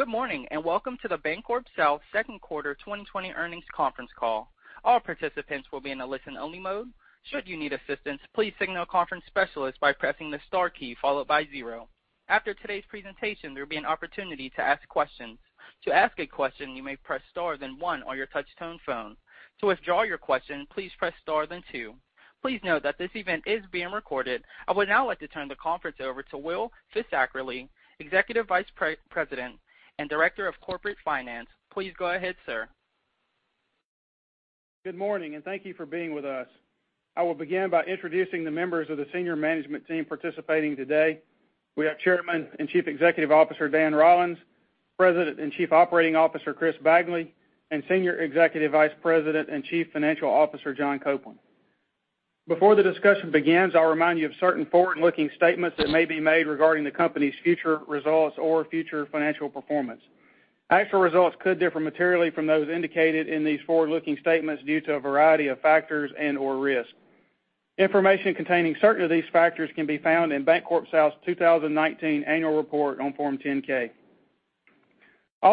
Good morning, and welcome to the BancorpSouth second quarter 2020 earnings conference call. All participants will be in a listen-only mode. Should you need assistance, please signal a conference specialist by pressing the star key followed by zero. After today's presentation, there will be an opportunity to ask questions. To ask a question, you may press star then one on your touch-tone phone. To withdraw your question, please press star then two. Please note that this event is being recorded. I would now like to turn the conference over to Will Fisackerly, Executive Vice President and Director of Corporate Finance. Please go ahead, sir. Good morning, and thank you for being with us. I will begin by introducing the members of the senior management team participating today. We have Chairman and Chief Executive Officer, Dan Rollins, President and Chief Operating Officer, Chris Bagley, and Senior Executive Vice President and Chief Financial Officer, John Copeland. Before the discussion begins, I'll remind you of certain forward-looking statements that may be made regarding the company's future results or future financial performance. Actual results could differ materially from those indicated in these forward-looking statements due to a variety of factors and/or risk. Information containing certain of these factors can be found in BancorpSouth's 2019 annual report on Form 10-K.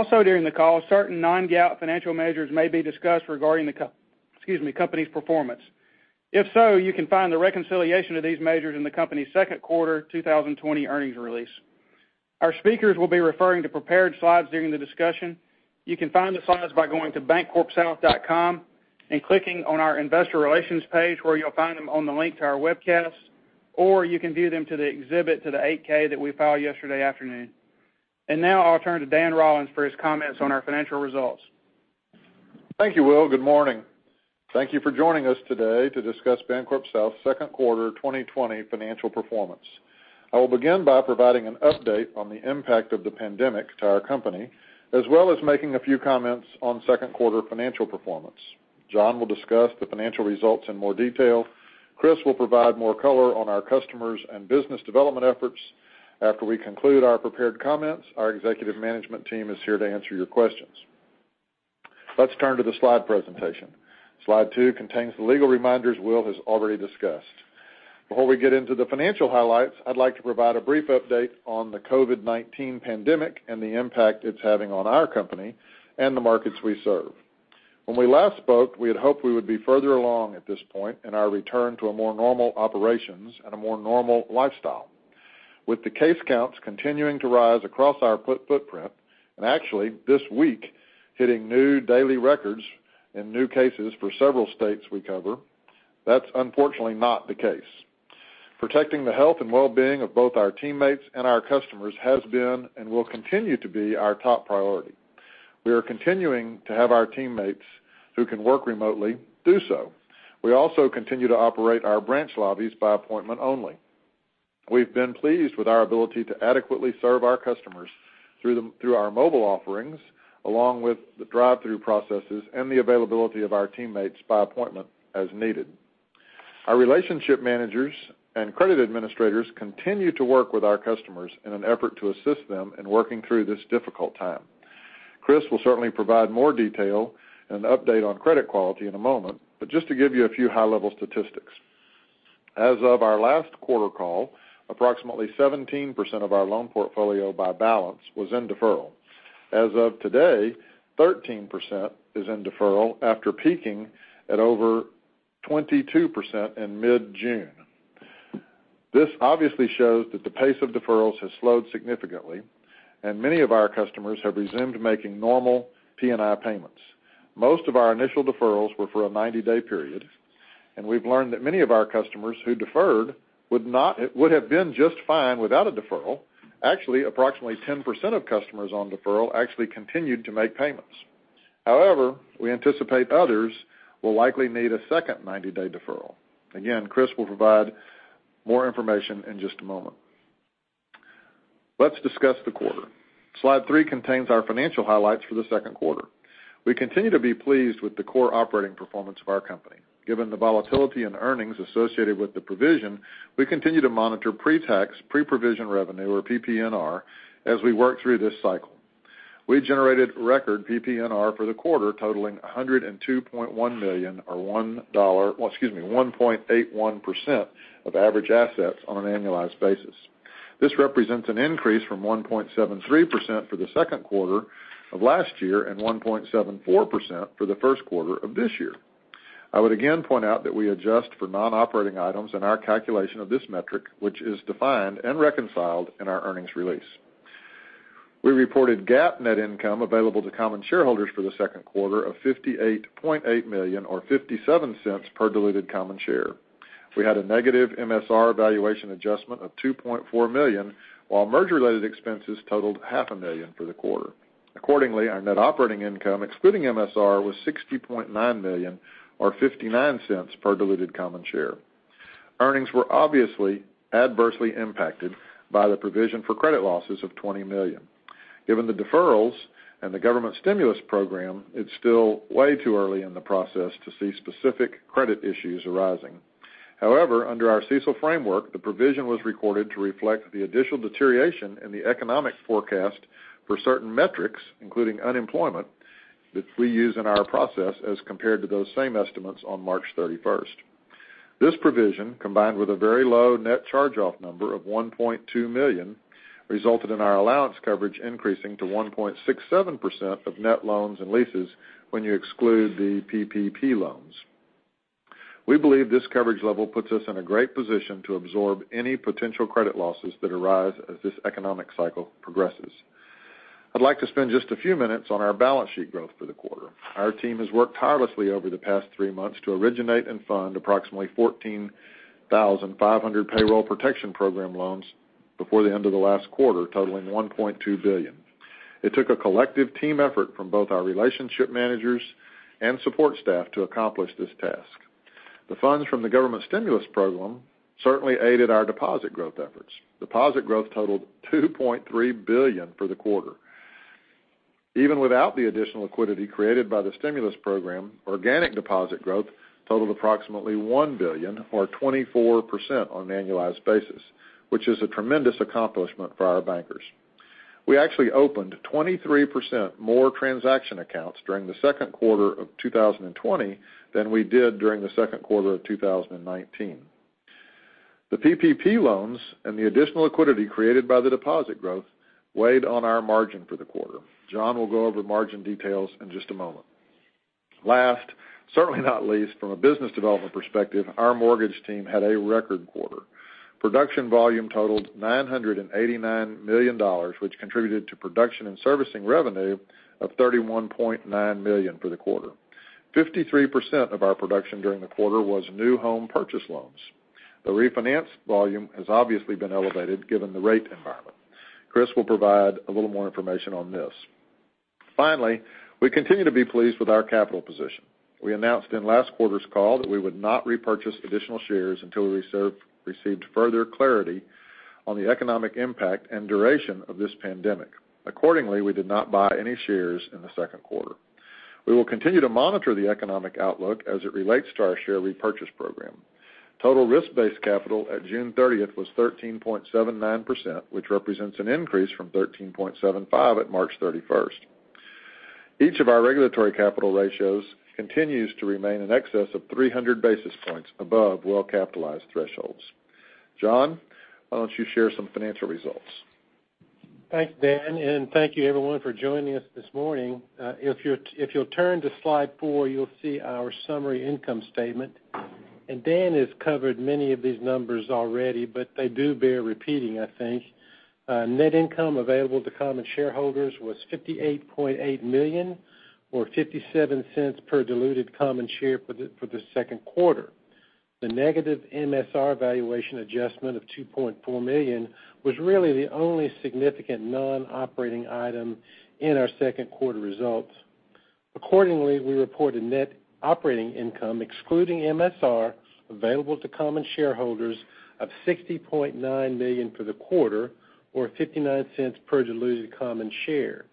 During the call, certain non-GAAP financial measures may be discussed regarding the company's performance. If so, you can find the reconciliation of these measures in the company's second quarter 2020 earnings release. Our speakers will be referring to prepared slides during the discussion. You can find the slides by going to bancorpsouth.com and clicking on our investor relations page, where you'll find them on the link to our webcast, or you can view them to the exhibit to the 8-K that we filed yesterday afternoon. Now I'll turn to Dan Rollins for his comments on our financial results. Thank you, Will. Good morning. Thank you for joining us today to discuss BancorpSouth's second quarter 2020 financial performance. I will begin by providing an update on the impact of the pandemic to our company, as well as making a few comments on second quarter financial performance. John will discuss the financial results in more detail. Chris will provide more color on our customers and business development efforts. After we conclude our prepared comments, our executive management team is here to answer your questions. Let's turn to the slide presentation. Slide two contains the legal reminders Will has already discussed. Before we get into the financial highlights, I'd like to provide a brief update on the COVID-19 pandemic and the impact it's having on our company and the markets we serve. When we last spoke, we had hoped we would be further along at this point in our return to a more normal operations and a more normal lifestyle. With the case counts continuing to rise across our footprint, and actually this week hitting new daily records in new cases for several states we cover, that's unfortunately not the case. Protecting the health and well-being of both our teammates and our customers has been and will continue to be our top priority. We are continuing to have our teammates who can work remotely do so. We also continue to operate our branch lobbies by appointment only. We've been pleased with our ability to adequately serve our customers through our mobile offerings, along with the drive-thru processes and the availability of our teammates by appointment as needed. Our relationship managers and credit administrators continue to work with our customers in an effort to assist them in working through this difficult time. Chris will certainly provide more detail and update on credit quality in a moment. Just to give you a few high-level statistics. As of our last quarter call, approximately 17% of our loan portfolio by balance was in deferral. As of today, 13% is in deferral after peaking at over 22% in mid-June. This obviously shows that the pace of deferrals has slowed significantly. Many of our customers have resumed making normal P&I payments. Most of our initial deferrals were for a 90-day period. We've learned that many of our customers who deferred would have been just fine without a deferral. Actually, approximately 10% of customers on deferral actually continued to make payments. However, we anticipate others will likely need a second 90-day deferral. Again, Chris will provide more information in just a moment. Let's discuss the quarter. Slide three contains our financial highlights for the second quarter. We continue to be pleased with the core operating performance of our company. Given the volatility in earnings associated with the provision, we continue to monitor pre-tax, pre-provision revenue, or PPNR, as we work through this cycle. We generated record PPNR for the quarter, totaling $102.1 million or well, excuse me, 1.81% of average assets on an annualized basis. This represents an increase from 1.73% for the second quarter of last year and 1.74% for the first quarter of this year. I would again point out that we adjust for non-operating items in our calculation of this metric, which is defined and reconciled in our earnings release. We reported GAAP net income available to common shareholders for the second quarter of $58.8 million or $0.57 per diluted common share. We had a negative MSR valuation adjustment of $2.4 million, while merger-related expenses totaled half a million for the quarter. Our net operating income, excluding MSR, was $60.9 million or $0.59 per diluted common share. Earnings were obviously adversely impacted by the provision for credit losses of $20 million. Given the deferrals and the government stimulus program, it's still way too early in the process to see specific credit issues arising. However, under our CECL framework, the provision was recorded to reflect the additional deterioration in the economic forecast for certain metrics, including unemployment, that we use in our process as compared to those same estimates on March 31st. This provision, combined with a very low net charge-off number of $1.2 million, resulted in our allowance coverage increasing to 1.67% of net loans and leases when you exclude the PPP loans. We believe this coverage level puts us in a great position to absorb any potential credit losses that arise as this economic cycle progresses. I'd like to spend just a few minutes on our balance sheet growth for the quarter. Our team has worked tirelessly over the past three months to originate and fund approximately 14,500 Paycheck Protection Program loans before the end of the last quarter, totaling $1.2 billion. It took a collective team effort from both our relationship managers and support staff to accomplish this task. The funds from the government stimulus program certainly aided our deposit growth efforts. Deposit growth totaled $2.3 billion for the quarter. Even without the additional liquidity created by the stimulus program, organic deposit growth totaled approximately $1 billion or 24% on an annualized basis, which is a tremendous accomplishment for our bankers. We actually opened 23% more transaction accounts during the second quarter of 2020 than we did during the second quarter of 2019. The PPP loans and the additional liquidity created by the deposit growth weighed on our margin for the quarter. John will go over margin details in just a moment. Last, certainly not least from a business development perspective, our mortgage team had a record quarter. Production volume totaled $989 million, which contributed to production and servicing revenue of $31.9 million for the quarter. 53% of our production during the quarter was new home purchase loans. The refinance volume has obviously been elevated given the rate environment. Chris will provide a little more information on this. Finally, we continue to be pleased with our capital position. We announced in last quarter's call that we would not repurchase additional shares until we received further clarity on the economic impact and duration of this pandemic. Accordingly, we did not buy any shares in the second quarter. We will continue to monitor the economic outlook as it relates to our share repurchase program. Total risk-based capital at June 30th was 13.79%, which represents an increase from 13.75% at March 31st. Each of our regulatory capital ratios continues to remain in excess of 300 basis points above well-capitalized thresholds. John, why don't you share some financial results? Thanks, Dan, and thank you, everyone for joining us this morning. If you'll turn to slide four, you'll see our summary income statement. Dan has covered many of these numbers already, but they do bear repeating, I think. Net income available to common shareholders was $58.8 million, or $0.57 per diluted common share for the second quarter. The negative MSR valuation adjustment of $2.4 million was really the only significant non-operating item in our second quarter results. Accordingly, we reported net operating income, excluding MSR, available to common shareholders of $60.9 million for the quarter, or $0.59 per diluted common share,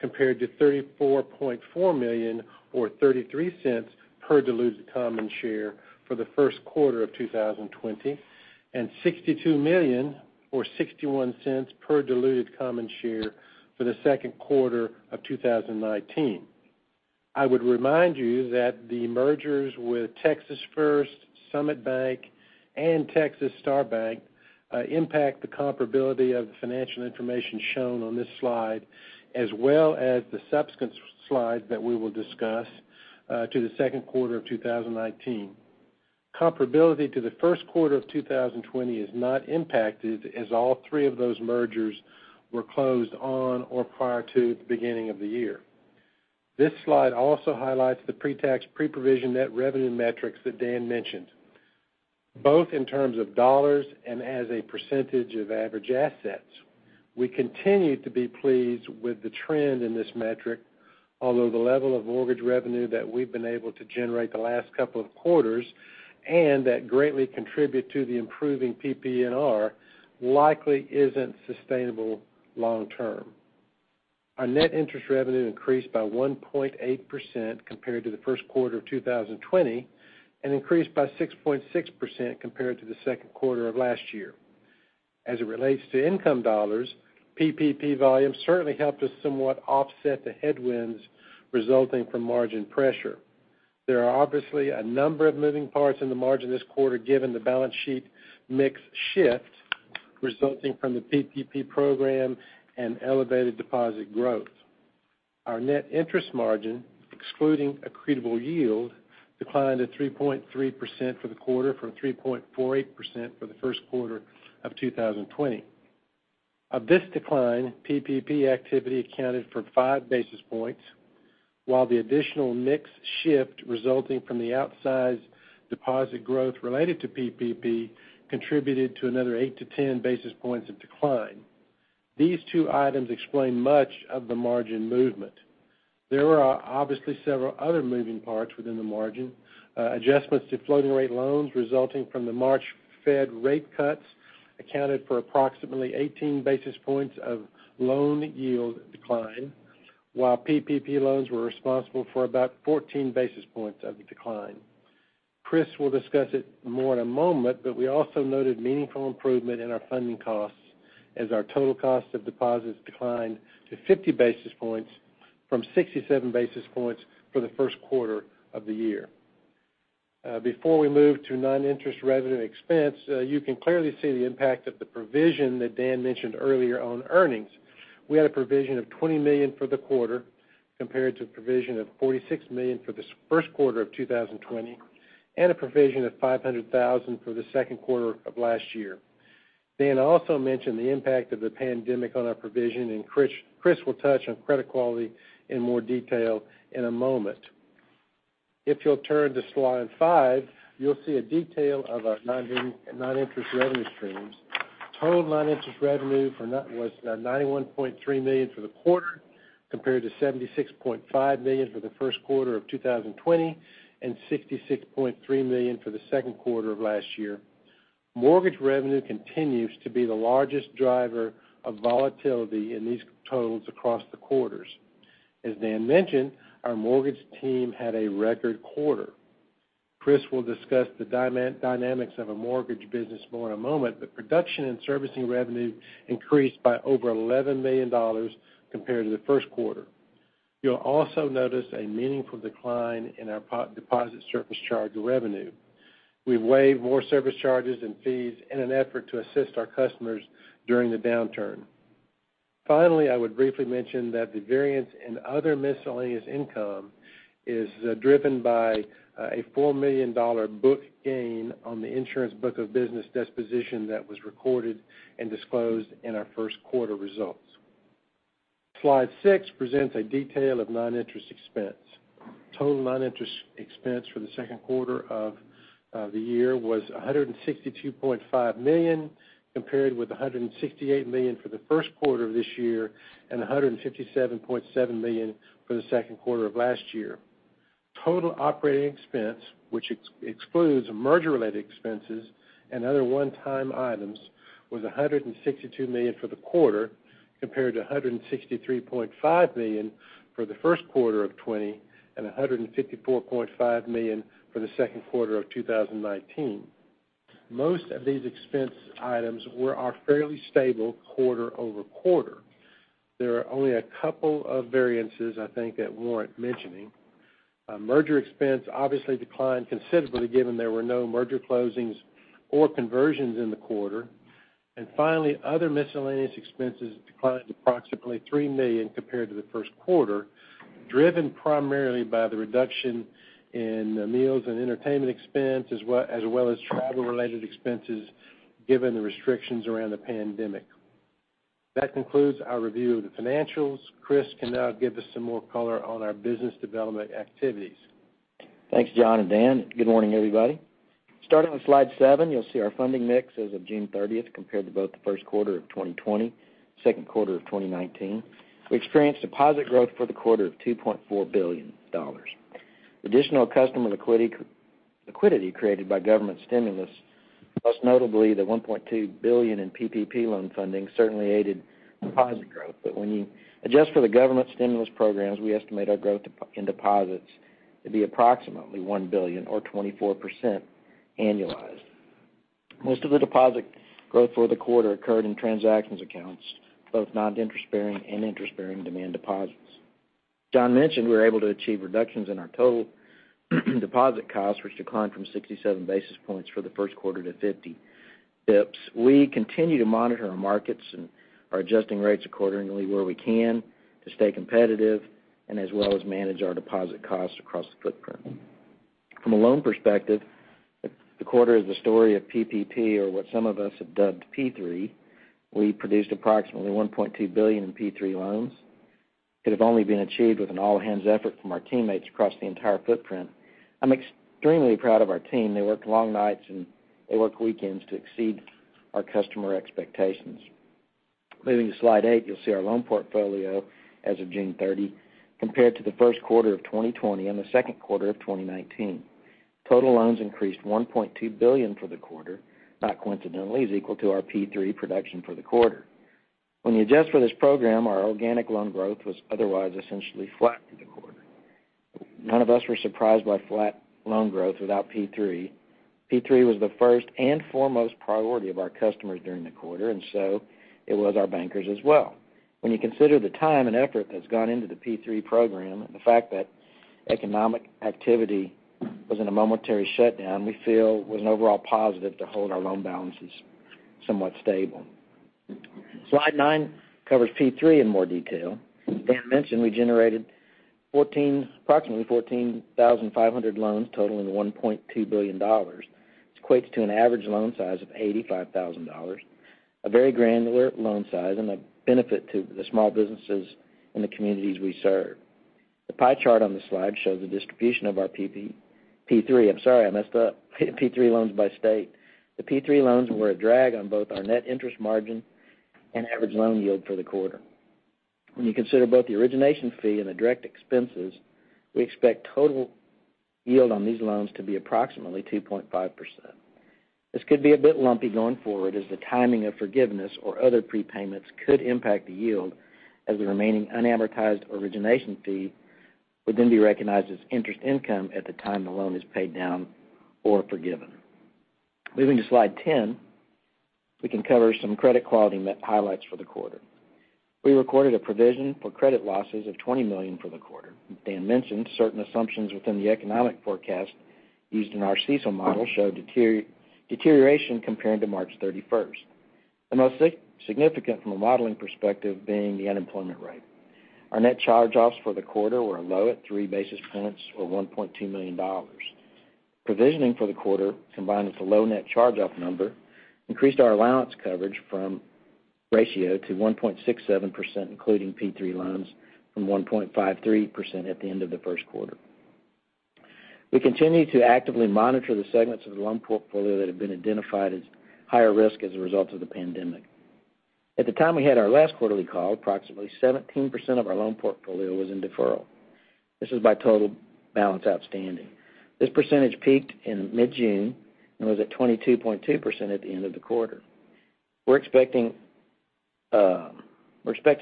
compared to $34.4 million or $0.33 per diluted common share for the first quarter of 2020, and $62 million or $0.61 per diluted common share for the second quarter of 2019. I would remind you that the mergers with Texas First, Summit Bank, and Texas Star Bank impact the comparability of the financial information shown on this slide, as well as the subsequent slides that we will discuss, to the second quarter of 2019. Comparability to the first quarter of 2020 is not impacted as all three of those mergers were closed on or prior to the beginning of the year. This slide also highlights the pre-tax, pre-provision net revenue metrics that Dan mentioned, both in terms of dollars and as a % of average assets. We continue to be pleased with the trend in this metric, although the level of mortgage revenue that we've been able to generate the last couple of quarters and that greatly contribute to the improving PPNR likely isn't sustainable long term. Our net interest revenue increased by 1.8% compared to the first quarter of 2020, and increased by 6.6% compared to the second quarter of last year. As it relates to income dollars, PPP volume certainly helped us somewhat offset the headwinds resulting from margin pressure. There are obviously a number of moving parts in the margin this quarter given the balance sheet mix shift resulting from the PPP program and elevated deposit growth. Our net interest margin, excluding accretable yield, declined to 3.3% for the quarter from 3.48% for the first quarter of 2020. Of this decline, PPP activity accounted for five basis points, while the additional mix shift resulting from the outsized deposit growth related to PPP contributed to another eight to 10 basis points of decline. These two items explain much of the margin movement. There are obviously several other moving parts within the margin. Adjustments to floating rate loans resulting from the March Fed rate cuts accounted for approximately 18 basis points of loan yield decline, while PPP loans were responsible for about 14 basis points of the decline. Chris will discuss it more in a moment, but we also noted meaningful improvement in our funding costs as our total cost of deposits declined to 50 basis points from 67 basis points for the first quarter of the year. Before we move to non-interest revenue and expense, you can clearly see the impact of the provision that Dan mentioned earlier on earnings. We had a provision of $20 million for the quarter, compared to the provision of $46 million for the first quarter of 2020, and a provision of $500,000 for the second quarter of last year. Dan also mentioned the impact of the pandemic on our provision, Chris will touch on credit quality in more detail in a moment. If you'll turn to slide five, you'll see a detail of our non-interest revenue streams. Total non-interest revenue was $91.3 million for the quarter, compared to $76.5 million for the first quarter of 2020 and $66.3 million for the second quarter of last year. Mortgage revenue continues to be the largest driver of volatility in these totals across the quarters. As Dan mentioned, our mortgage team had a record quarter. Chris will discuss the dynamics of a mortgage business more in a moment, but production and servicing revenue increased by over $11 million compared to the first quarter. You'll also notice a meaningful decline in our deposit service charge revenue. We waived more service charges and fees in an effort to assist our customers during the downturn. Finally, I would briefly mention that the variance in other miscellaneous income is driven by a $4 million book gain on the insurance book of business disposition that was recorded and disclosed in our first quarter results. Slide six presents a detail of non-interest expense. Total non-interest expense for the second quarter of the year was $162.5 million, compared with $168 million for the first quarter of this year and $157.7 million for the second quarter of last year. Total operating expense, which excludes merger-related expenses and other one-time items, was $162 million for the quarter, compared to $163.5 million for the first quarter of 2020, and $154.5 million for the second quarter of 2019. Most of these expense items are fairly stable quarter-over-quarter. There are only a couple of variances, I think, that warrant mentioning. Merger expense obviously declined considerably given there were no merger closings or conversions in the quarter. Finally, other miscellaneous expenses declined approximately $3 million compared to the first quarter, driven primarily by the reduction in meals and entertainment expense, as well as travel-related expenses, given the restrictions around the pandemic. That concludes our review of the financials. Chris can now give us some more color on our business development activities. Thanks, John and Dan. Good morning, everybody. Starting on slide seven, you'll see our funding mix as of June 30th compared to both the first quarter of 2020, second quarter of 2019. We experienced deposit growth for the quarter of $2.4 billion. Additional customer liquidity created by government stimulus, most notably the $1.2 billion in PPP loan funding, certainly aided deposit growth. When you adjust for the government stimulus programs, we estimate our growth in deposits to be approximately $1 billion or 24% annualized. Most of the deposit growth for the quarter occurred in transactions accounts, both non-interest bearing and interest-bearing demand deposits. John mentioned we were able to achieve reductions in our total deposit costs, which declined from 67 basis points for the first quarter to 50 basis points. We continue to monitor our markets and are adjusting rates accordingly where we can to stay competitive and as well as manage our deposit costs across the footprint. From a loan perspective, the quarter is the story of PPP or what some of us have dubbed P3. We produced approximately $1.2 billion in P3 loans. It could have only been achieved with an all-hands effort from our teammates across the entire footprint. I'm extremely proud of our team. They worked long nights, and they worked weekends to exceed our customer expectations. Moving to slide eight, you'll see our loan portfolio as of June 30, compared to the first quarter of 2020 and the second quarter of 2019. Total loans increased $1.2 billion for the quarter, not coincidentally, is equal to our P3 production for the quarter. When you adjust for this program, our organic loan growth was otherwise essentially flat for the quarter. None of us were surprised by flat loan growth without P3. P3 was the first and foremost priority of our customers during the quarter, and so it was our bankers as well. When you consider the time and effort that is gone into the P3 program and the fact that economic activity was in a momentary shutdown, we feel was an overall positive to hold our loan balances somewhat stable. Slide nine covers P3 in more detail. Dan mentioned we generated approximately 14,500 loans totaling $1.2 billion. This equates to an average loan size of $85,000, a very granular loan size, and a benefit to the small businesses and the communities we serve. The pie chart on this slide shows the distribution of our P3 loans by state. The P3 loans were a drag on both our net interest margin and average loan yield for the quarter. When you consider both the origination fee and the direct expenses, we expect total yield on these loans to be approximately 2.5%. This could be a bit lumpy going forward, as the timing of forgiveness or other prepayments could impact the yield, as the remaining unamortized origination fee would then be recognized as interest income at the time the loan is paid down or forgiven. Moving to slide 10. We can cover some credit quality highlights for the quarter. We recorded a provision for credit losses of $20 million for the quarter. Dan mentioned certain assumptions within the economic forecast used in our CECL model show deterioration comparing to March 31st, the most significant from a modeling perspective being the unemployment rate. Our net charge-offs for the quarter were low at three basis points or $1.2 million. Provisioning for the quarter, combined with the low net charge-off number, increased our allowance coverage from ratio to 1.67%, including P3 loans, from 1.53% at the end of the first quarter. We continue to actively monitor the segments of the loan portfolio that have been identified as higher risk as a result of the pandemic. At the time we had our last quarterly call, approximately 17% of our loan portfolio was in deferral. This is by total balance outstanding. This percentage peaked in mid-June and was at 22.2% at the end of the quarter. We expected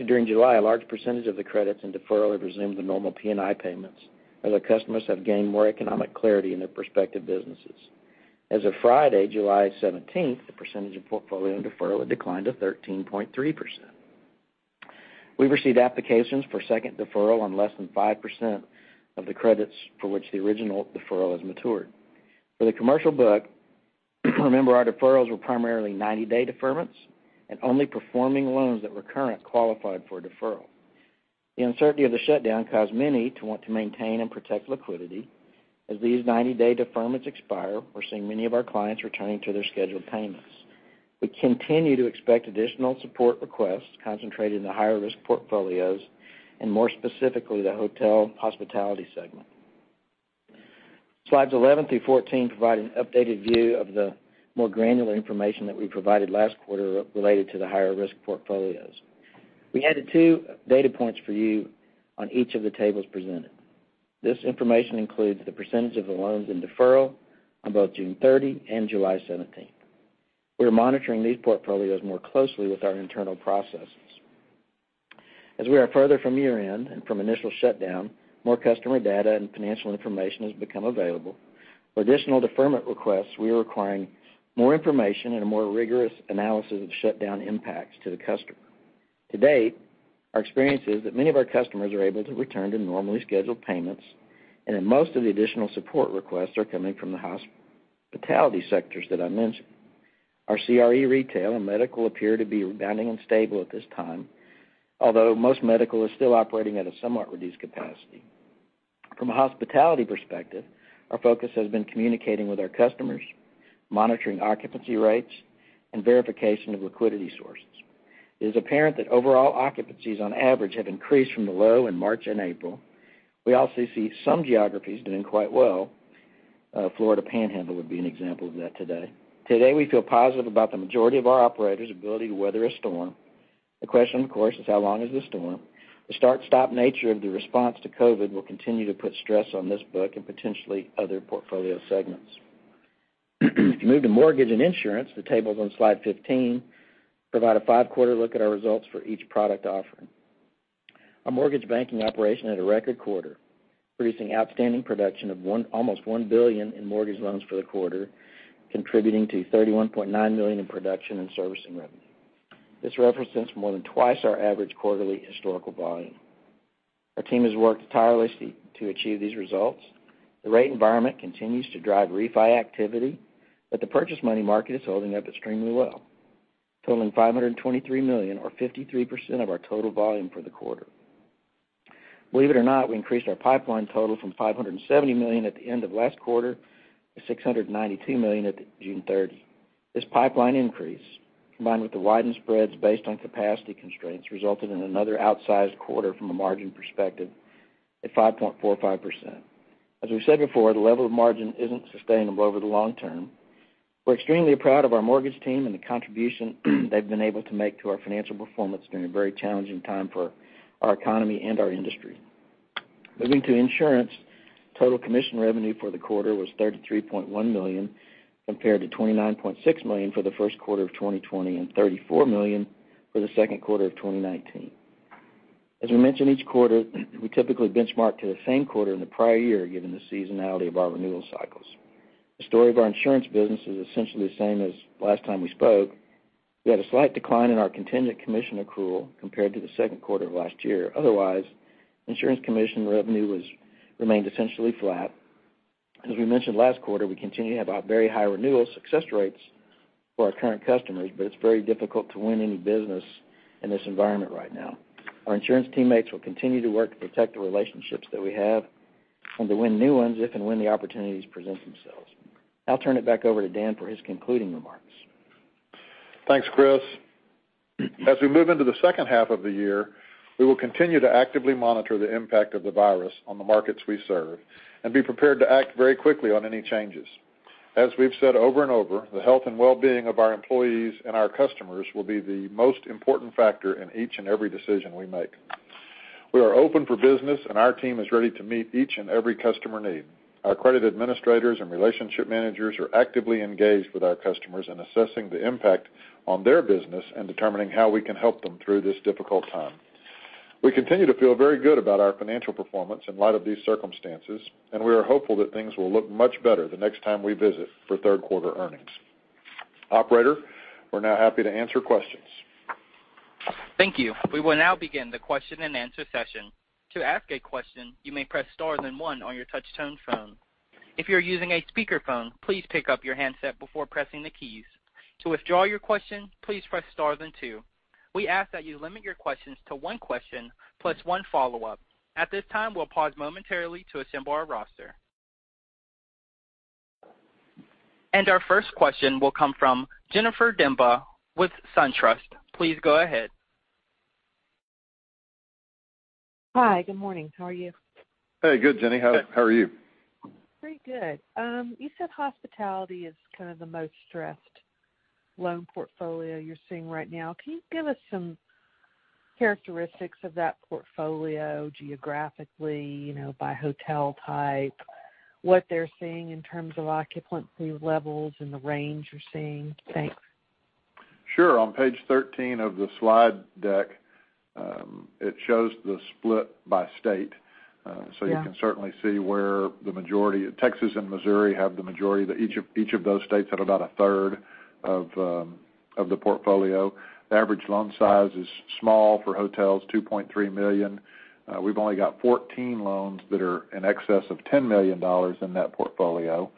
during July, a large percentage of the credits and deferral to resume the normal P&I payments as our customers have gained more economic clarity in their prospective businesses. As of Friday, July 17th, the percentage of portfolio in deferral had declined to 13.3%. We've received applications for second deferral on less than 5% of the credits for which the original deferral has matured. For the commercial book, remember, our deferrals were primarily 90-day deferments and only performing loans that were current qualified for a deferral. The uncertainty of the shutdown caused many to want to maintain and protect liquidity. As these 90-day deferments expire, we're seeing many of our clients returning to their scheduled payments. We continue to expect additional support requests concentrated in the higher risk portfolios and more specifically, the hotel hospitality segment. Slides 11 through 14 provide an updated view of the more granular information that we provided last quarter related to the higher risk portfolios. We added two data points for you on each of the tables presented. This information includes the percentage of the loans in deferral on both June 30 and July 17th. We are monitoring these portfolios more closely with our internal processes. As we are further from year-end and from initial shutdown, more customer data and financial information has become available. For additional deferment requests, we are requiring more information and a more rigorous analysis of shutdown impacts to the customer. To date, our experience is that many of our customers are able to return to normally scheduled payments and that most of the additional support requests are coming from the hospitality sectors that I mentioned. Our CRE retail and medical appear to be rebounding and stable at this time, although most medical is still operating at a somewhat reduced capacity. From a hospitality perspective, our focus has been communicating with our customers, monitoring occupancy rates, and verification of liquidity sources. It is apparent that overall occupancies on average have increased from the low in March and April. We also see some geographies doing quite well. Florida Panhandle would be an example of that today. Today, we feel positive about the majority of our operators' ability to weather a storm. The question, of course, is how long is the storm? The start-stop nature of the response to COVID will continue to put stress on this book and potentially other portfolio segments. If you move to mortgage and insurance, the tables on slide 15 provide a five-quarter look at our results for each product offering. Our mortgage banking operation had a record quarter, producing outstanding production of almost $1 billion in mortgage loans for the quarter, contributing to $31.9 million in production and servicing revenue. This represents more than twice our average quarterly historical volume. Our team has worked tirelessly to achieve these results. The rate environment continues to drive refi activity, but the purchase money market is holding up extremely well, totaling $523 million or 53% of our total volume for the quarter. Believe it or not, we increased our pipeline total from $570 million at the end of last quarter to $692 million at June 30. This pipeline increase, combined with the widened spreads based on capacity constraints, resulted in another outsized quarter from a margin perspective at 5.45%. As we've said before, the level of margin isn't sustainable over the long term. We're extremely proud of our mortgage team and the contribution they've been able to make to our financial performance during a very challenging time for our economy and our industry. Moving to insurance, total commission revenue for the quarter was $33.1 million, compared to $29.6 million for the first quarter of 2020 and $34 million for the second quarter of 2019. As we mention each quarter, we typically benchmark to the same quarter in the prior year, given the seasonality of our renewal cycles. The story of our insurance business is essentially the same as last time we spoke. We had a slight decline in our contingent commission accrual compared to the second quarter of last year. Otherwise, insurance commission revenue remained essentially flat. As we mentioned last quarter, we continue to have very high renewal success rates for our current customers, but it's very difficult to win any business in this environment right now. Our insurance teammates will continue to work to protect the relationships that we have and to win new ones if and when the opportunities present themselves. I'll turn it back over to Dan for his concluding remarks. Thanks, Chris. As we move into the second half of the year, we will continue to actively monitor the impact of the virus on the markets we serve and be prepared to act very quickly on any changes. As we've said over and over, the health and well-being of our employees and our customers will be the most important factor in each and every decision we make. We are open for business, and our team is ready to meet each and every customer need. Our credit administrators and relationship managers are actively engaged with our customers in assessing the impact on their business and determining how we can help them through this difficult time. We continue to feel very good about our financial performance in light of these circumstances, and we are hopeful that things will look much better the next time we visit for third quarter earnings. Operator, we're now happy to answer questions. Thank you. We will now begin the question and answer session. To ask a question, you may press star then one on your touch-tone phone. If you're using a speakerphone, please pick up your handset before pressing the keys. To withdraw your question, please press star then two. We ask that you limit your questions to one question, plus one follow-up. At this time, we'll pause momentarily to assemble our roster. Our first question will come from Jennifer Demba with SunTrust. Please go ahead. Hi. Good morning. How are you? Hey, good, Jenny. How are you? Pretty good. You said hospitality is kind of the most stressed loan portfolio you're seeing right now. Can you give us some characteristics of that portfolio geographically, by hotel type, what they're seeing in terms of occupancy levels and the range you're seeing? Thanks. Sure. On page 13 of the slide deck, it shows the split by state. Yeah. You can certainly see where the majority of Texas and Missouri have the majority. Each of those states had about a third of the portfolio. The average loan size is small for hotels, $2.3 million. We've only got 14 loans that are in excess of $10 million in that portfolio.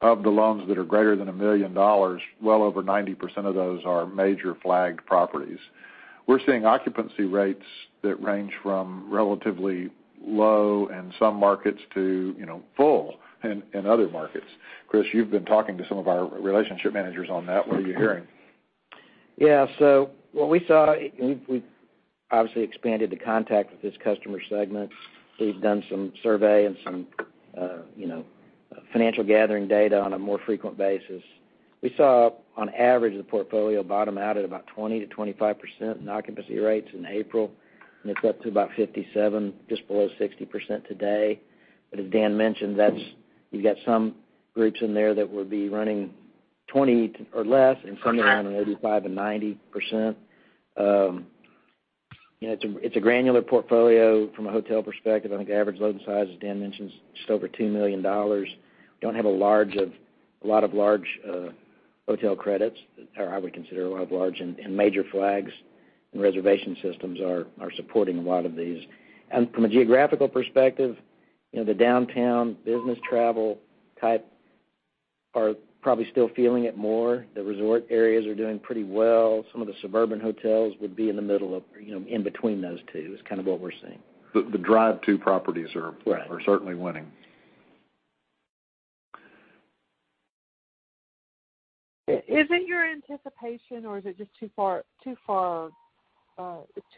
Of the loans that are greater than $1 million, well over 90% of those are major flagged properties. We're seeing occupancy rates that range from relatively low in some markets to full in other markets. Chris, you've been talking to some of our relationship managers on that. What are you hearing? What we saw, we've obviously expanded the contact with this customer segment. We've done some survey and some financial gathering data on a more frequent basis. We saw, on average, the portfolio bottom out at about 20%-25% in occupancy rates in April, and it's up to about 57%, just below 60% today. As Dan mentioned, you've got some groups in there that would be running 20% or less, and some that are running 85% and 90%. It's a granular portfolio from a hotel perspective. I think average loan size, as Dan mentioned, is just over $2 million. We don't have a lot of large hotel credits, or I would consider a lot of large and major flags, and reservation systems are supporting a lot of these. From a geographical perspective, the downtown business travel type are probably still feeling it more. The resort areas are doing pretty well. Some of the suburban hotels would be in the middle of, in between those two, is kind of what we're seeing. The drive to properties are- Right certainly winning. Is it your anticipation or is it just too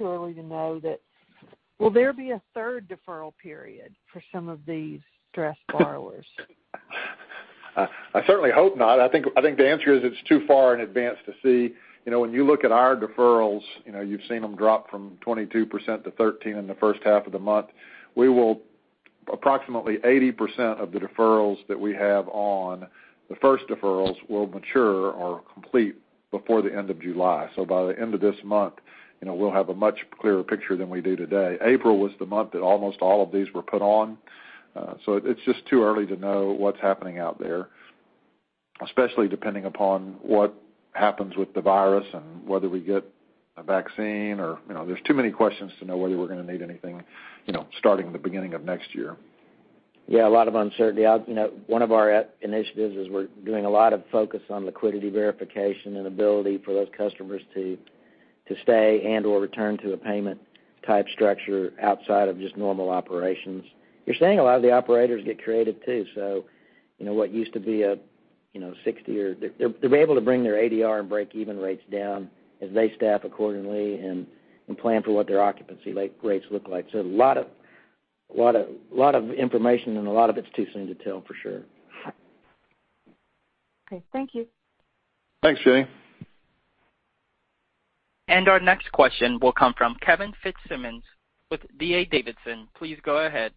early to know that, will there be a third deferral period for some of these stressed borrowers? I certainly hope not. I think the answer is it's too far in advance to see. When you look at our deferrals, you've seen them drop from 22% to 13% in the first half of the month. Approximately 80% of the deferrals that we have on, the first deferrals will mature or complete before the end of July. By the end of this month, we'll have a much clearer picture than we do today. April was the month that almost all of these were put on. It's just too early to know what's happening out there, especially depending upon what happens with the virus and whether we get a vaccine. There's too many questions to know whether we're going to need anything starting the beginning of next year. A lot of uncertainty. One of our initiatives is we're doing a lot of focus on liquidity verification and ability for those customers to stay and/or return to a payment type structure outside of just normal operations. You're seeing a lot of the operators get creative too, so what used to be a 60, they're able to bring their ADR and breakeven rates down as they staff accordingly and plan for what their occupancy rates look like. A lot of information and a lot of it's too soon to tell for sure. Okay. Thank you. Thanks, Jenny. Our next question will come from Kevin Fitzsimmons with D.A. Davidson. Please go ahead.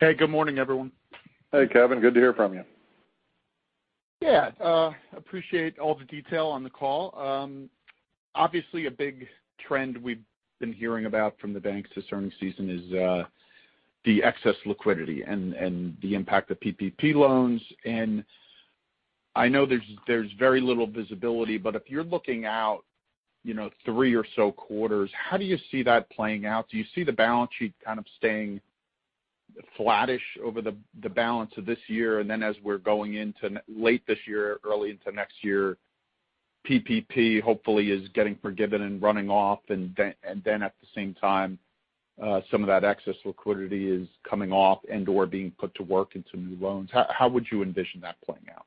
Hey, good morning, everyone. Hey, Kevin. Good to hear from you. Yeah. Appreciate all the detail on the call. Obviously, a big trend we've been hearing about from the banks this earning season is the excess liquidity and the impact of PPP loans. I know there's very little visibility. If you're looking out three or so quarters, how do you see that playing out? Do you see the balance sheet kind of staying flattish over the balance of this year, and then as we're going into late this year, early into next year, PPP hopefully is getting forgiven and running off, and then at the same time, some of that excess liquidity is coming off and/or being put to work into new loans. How would you envision that playing out?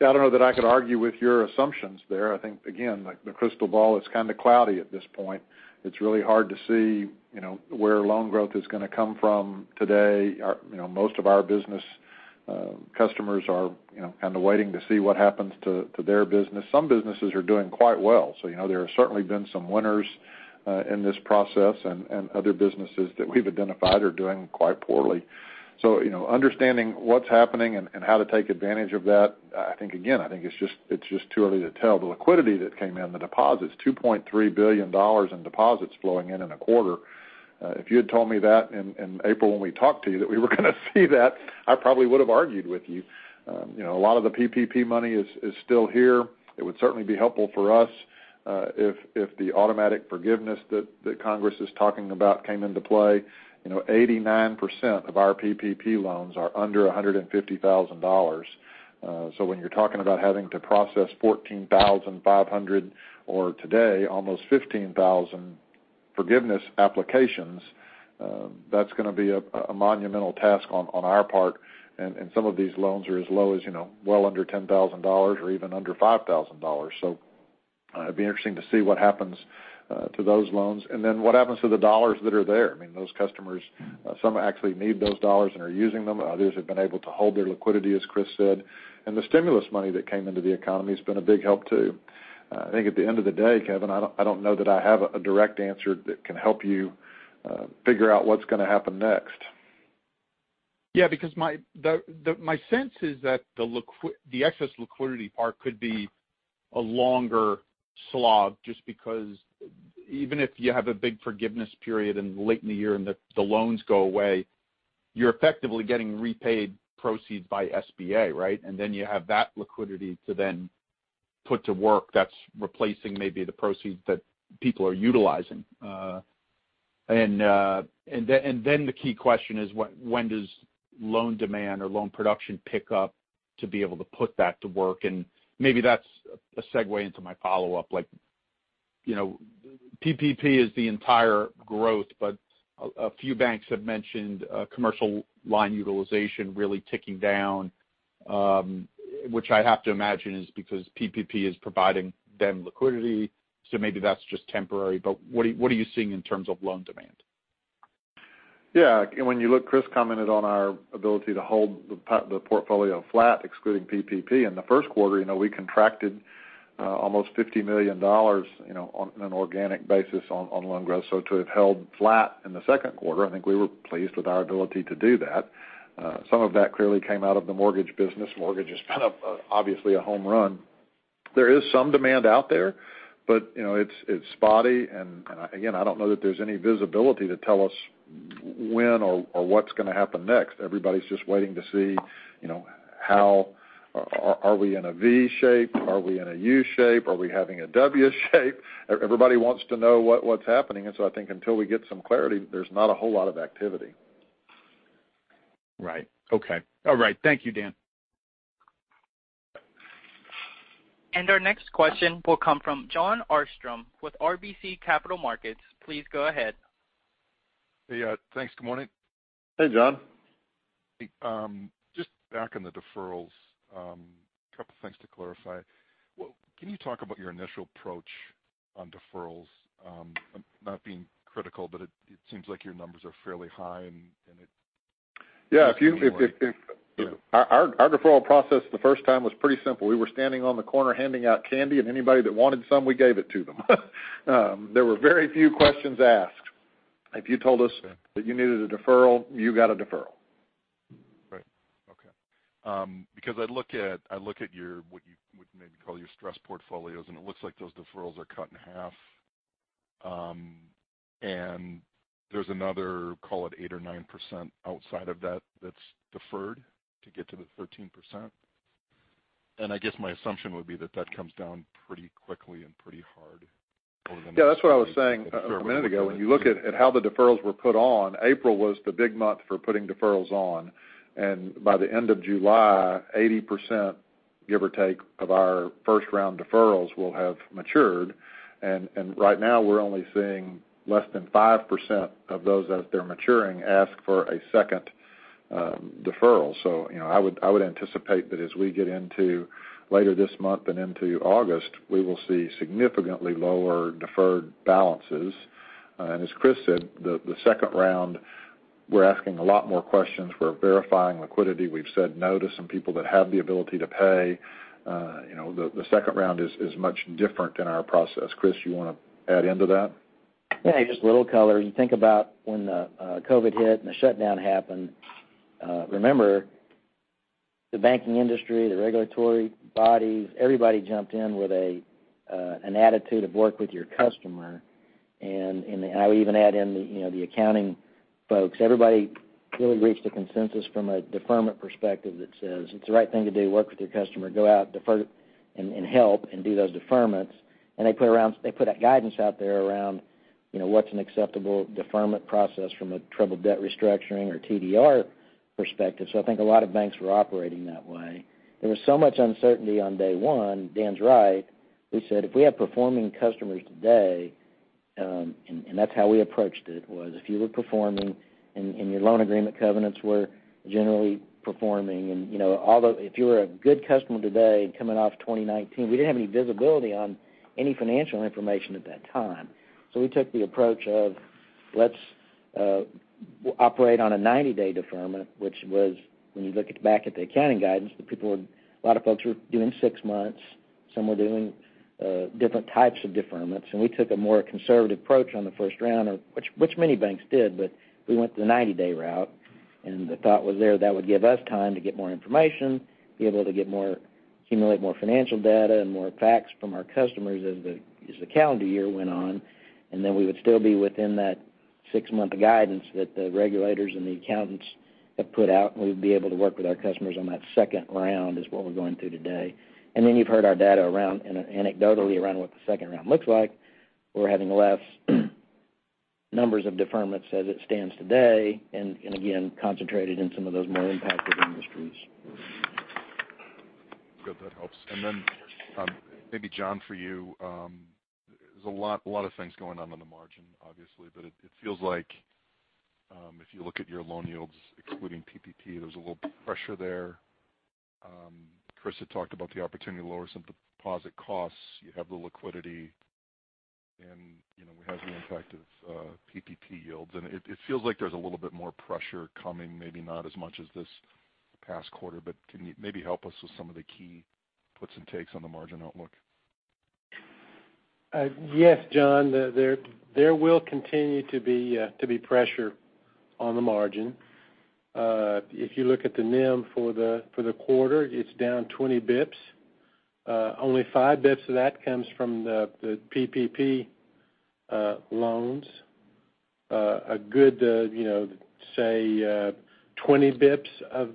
I don't know that I could argue with your assumptions there. I think, again, the crystal ball is kind of cloudy at this point. It's really hard to see where loan growth is going to come from today. Most of our business customers are kind of waiting to see what happens to their business. Some businesses are doing quite well, so there have certainly been some winners in this process, and other businesses that we've identified are doing quite poorly. Understanding what's happening and how to take advantage of that, again, I think it's just too early to tell. The liquidity that came in, the deposits, $2.3 billion in deposits flowing in in a quarter. If you had told me that in April when we talked to you that we were going to see that, I probably would've argued with you. A lot of the PPP money is still here. It would certainly be helpful for us if the automatic forgiveness that Congress is talking about came into play. 89% of our PPP loans are under $150,000. When you're talking about having to process 14,500, or today almost 15,000 forgiveness applications, that's going to be a monumental task on our part, and some of these loans are as low as well under $10,000 or even under $5,000. It'd be interesting to see what happens to those loans, and then what happens to the dollars that are there. Those customers, some actually need those dollars and are using them. Others have been able to hold their liquidity, as Chris said. The stimulus money that came into the economy has been a big help, too. I think at the end of the day, Kevin, I don't know that I have a direct answer that can help you figure out what's going to happen next. Yeah, because my sense is that the excess liquidity part could be a longer slog, just because even if you have a big forgiveness period in late in the year and the loans go away, you're effectively getting repaid proceeds by SBA, right? You have that liquidity to then put to work that's replacing maybe the proceeds that people are utilizing. The key question is when does loan demand or loan production pick up to be able to put that to work? Maybe that's a segue into my follow-up. PPP is the entire growth, but a few banks have mentioned commercial line utilization really ticking down, which I have to imagine is because PPP is providing them liquidity, so maybe that's just temporary. What are you seeing in terms of loan demand? Yeah. When you look, Chris commented on our ability to hold the portfolio flat, excluding PPP. In the first quarter, we contracted almost $50 million on an organic basis on loan growth. To have held flat in the second quarter, I think we were pleased with our ability to do that. Some of that clearly came out of the mortgage business. Mortgage is kind of, obviously, a home run. There is some demand out there, but it's spotty, and again, I don't know that there's any visibility to tell us when or what's going to happen next. Everybody's just waiting to see are we in a V shape? Are we in a U shape? Are we having a W shape? Everybody wants to know what's happening. I think until we get some clarity, there's not a whole lot of activity. Right. Okay. All right. Thank you, Dan. Our next question will come from Jon Arfstrom with RBC Capital Markets. Please go ahead. Hey. Thanks. Good morning. Hey, John. Just back on the deferrals, a couple things to clarify. Can you talk about your initial approach on deferrals? I'm not being critical, but it seems like your numbers are fairly high. Yeah. Our deferral process the first time was pretty simple. We were standing on the corner handing out candy, and anybody that wanted some, we gave it to them. There were very few questions asked. If you told us that you needed a deferral, you got a deferral. Right. Okay. I look at what you would maybe call your stress portfolios, and it looks like those deferrals are cut in half. There's another, call it 8% or 9% outside of that that's deferred to get to the 13%. I guess my assumption would be that that comes down pretty quickly and pretty hard. Yeah, that's what I was saying a minute ago. When you look at how the deferrals were put on, April was the big month for putting deferrals on. By the end of July, 80%, give or take, of our first-round deferrals will have matured. Right now, we're only seeing less than 5% of those that they're maturing ask for a second deferral. I would anticipate that as we get into later this month and into August, we will see significantly lower deferred balances. As Chris said, the second round, we're asking a lot more questions. We're verifying liquidity. We've said no to some people that have the ability to pay. The second round is much different in our process. Chris, you want to add into that? Yeah, just a little color. You think about when COVID-19 hit and the shutdown happened. Remember the banking industry, the regulatory bodies, everybody jumped in with an attitude of work with your customer. I would even add in the accounting folks. Everybody really reached a consensus from a deferment perspective that says it's the right thing to do, work with your customer, go out, defer, and help, and do those deferments. They put that guidance out there around what's an acceptable deferment process from a troubled debt restructuring or TDR perspective. I think a lot of banks were operating that way. There was so much uncertainty on day one, Dan's right, we said, "If we have performing customers today," and that's how we approached it, was if you were performing and your loan agreement covenants were generally performing. If you were a good customer today coming off 2019, we didn't have any visibility on any financial information at that time. We took the approach of Let's operate on a 90-day deferment, which was, when you look back at the accounting guidance, a lot of folks were doing six months. Some were doing different types of deferments. We took a more conservative approach on the first round, which many banks did, but we went the 90-day route. The thought was there, that would give us time to get more information, be able to accumulate more financial data and more facts from our customers as the calendar year went on, then we would still be within that six-month guidance that the regulators and the accountants have put out. We would be able to work with our customers on that second round, is what we're going through today. You've heard our data anecdotally around what the second round looks like. We're having less numbers of deferments as it stands today, and again, concentrated in some of those more impacted industries. Good. That helps. Maybe John, for you, there's a lot of things going on on the margin, obviously. It feels like if you look at your loan yields, excluding PPP, there's a little pressure there. Chris had talked about the opportunity to lower some deposit costs. You have the liquidity and we have the impact of PPP yields. It feels like there's a little bit more pressure coming, maybe not as much as this past quarter, but can you maybe help us with some of the key puts and takes on the margin outlook? Yes, John, there will continue to be pressure on the margin. If you look at the NIM for the quarter, it's down 20 basis points. Only 5 basis points of that comes from the PPP loans. A good, say, 20 basis points of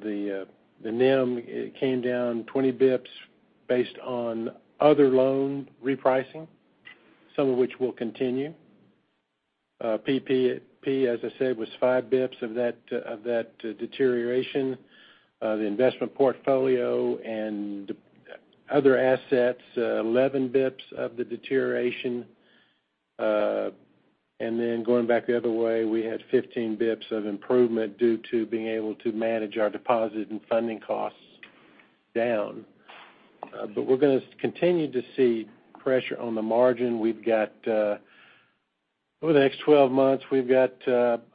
the NIM came down 20 basis points based on other loan repricing, some of which will continue. PPP, as I said, was 5 basis points of that deterioration. The investment portfolio and other assets, 11 basis points of the deterioration. Going back the other way, we had 15 basis points of improvement due to being able to manage our deposit and funding costs down. We're going to continue to see pressure on the margin. Over the next 12 months, we've got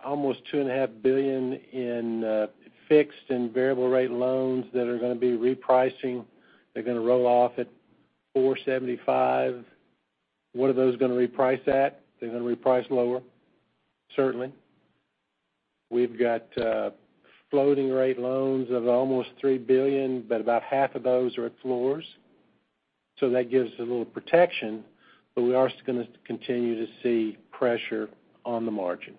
almost $2.5 billion in fixed and variable rate loans that are going to be repricing. They're going to roll off at 4.75%. What are those going to reprice at? They're going to reprice lower, certainly. We've got floating rate loans of almost $3 billion, but about half of those are at floors. That gives a little protection. We are going to continue to see pressure on the margin.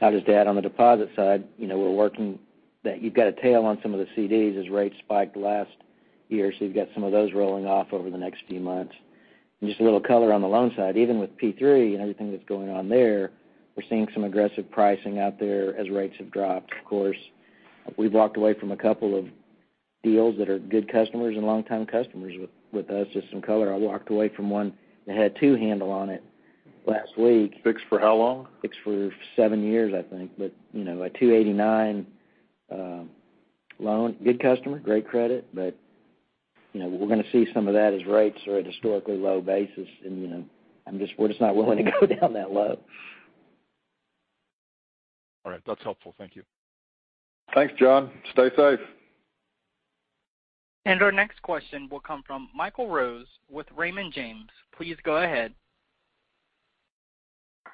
I'll just add on the deposit side, you've got a tail on some of the CDs as rates spiked last year, so you've got some of those rolling off over the next few months. Just a little color on the loan side, even with PPP and everything that's going on there, we're seeing some aggressive pricing out there as rates have dropped, of course. We've walked away from a couple of deals that are good customers and longtime customers with us. Just some color, I walked away from one that had two handle on it last week. Fixed for how long? Fixed for seven years, I think. A 289 loan. Good customer, great credit, but we're going to see some of that as rates are at historically low basis and we're just not willing to go down that low. All right. That's helpful. Thank you. Thanks, John. Stay safe. Our next question will come from Michael Rose with Raymond James. Please go ahead.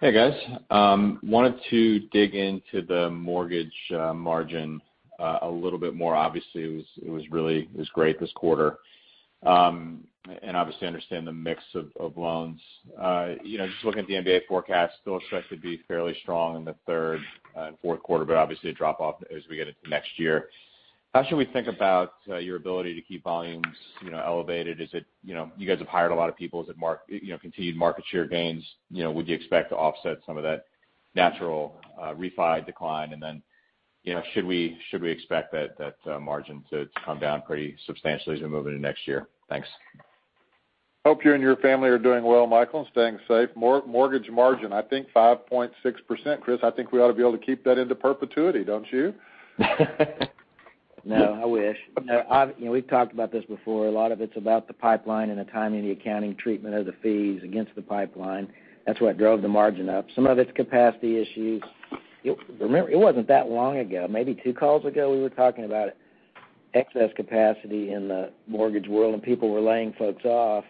Hey, guys. I wanted to dig into the mortgage margin a little bit more. Obviously, it was great this quarter. Obviously, I understand the mix of loans. Just looking at the MBA forecast, still stretched to be fairly strong in the third and fourth quarter, but obviously a drop-off as we get into next year. How should we think about your ability to keep volumes elevated? You guys have hired a lot of people. Continued market share gains, would you expect to offset some of that natural refi decline? Should we expect that margin to come down pretty substantially as we move into next year? Thanks. Hope you and your family are doing well, Michael, and staying safe. Mortgage margin, I think 5.6%. Chris, I think we ought to be able to keep that into perpetuity, don't you? No, I wish. We've talked about this before. A lot of it's about the pipeline and the timing of the accounting treatment of the fees against the pipeline. That's what drove the margin up. Some of it's capacity issues. It wasn't that long ago, maybe two calls ago, we were talking about excess capacity in the mortgage world and people were laying folks off.